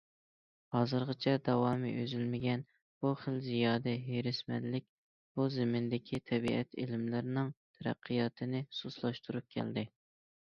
ھازىرغىچە داۋامى ئۈزۈلمىگەن بۇ خىل زىيادە ھېرىسمەنلىك بۇ زېمىندىكى تەبىئەت ئىلىملىرىنىڭ تەرەققىياتىنى سۇسلاشتۇرۇپ كەلدى.